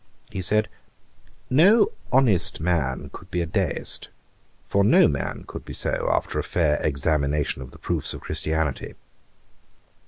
He said, 'no honest man could be a Deist; for no man could be so after a fair examination of the proofs of Christianity.'